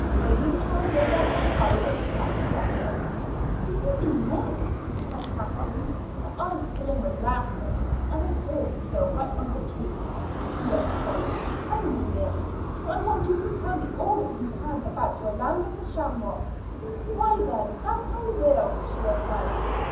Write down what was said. Will you and I go there for an hour or two after supper?" "Do you mean it?" said Kathleen, her eyes filling with laughter, and the tears still wet on her cheeks. "Yes, colleen, I mean it, for I want you to tell me all you can about your land of the shamrock." "Why, then, that I will," she replied.